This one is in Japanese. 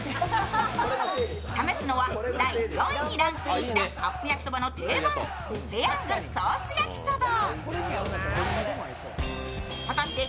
試すのは第４位にランクインしたカップ焼きそばの定番ペヤングソース焼きそば。